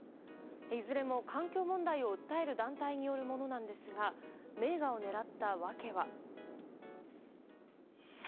いずれも環境問題を訴える団体によるものなんですが名画を狙った訳は。